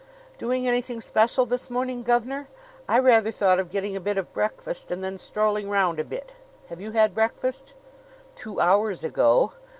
"Doing anything special this morning, gov'nor? I rather thought of getting a bit of breakfast and then strolling round a bit. Have you had breakfast?" "Two hours ago.